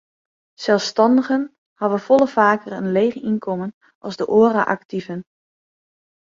Selsstannigen hawwe folle faker in leech ynkommen as de oare aktiven.